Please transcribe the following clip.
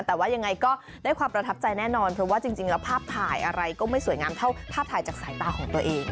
แต่ว่ายังไงก็ได้ความประทับใจแน่นอนเพราะว่าจริงแล้วภาพถ่ายอะไรก็ไม่สวยงามเท่าภาพถ่ายจากสายตาของตัวเอง